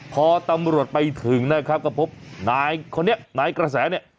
พอตำรวจไปถึงนะครับก็พบนายคนนี้นายกระแสเนี่ย